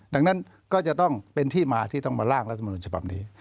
ดังนั้นก็จะต้องเป็นที่มาที่ต้องมาล่างรัฐมนุนฉบับนี้